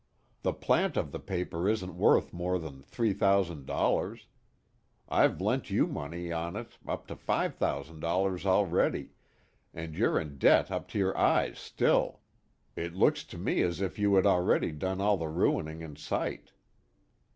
"The plant of the paper isn't worth more than three thousand dollars; I've lent you money on it up to five thousand dollars already, and you're in debt up to your eyes still. It looks to me as if you had already done all the ruining in sight."